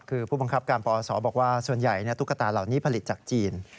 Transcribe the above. คือผู้บังคับการปศบอกว่าส่วนใหญ่ตุ๊กตาเหล่านี้ผลิตจากจีน